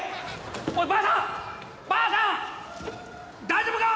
大丈夫か！？